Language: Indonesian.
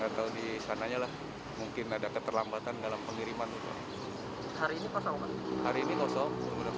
atau di sananya lah mungkin ada keterlambatan dalam pengiriman hari ini hari ini kosong